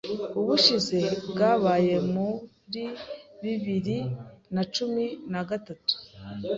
Ubushize bwabaye muri bibiri na cumi na gatatu.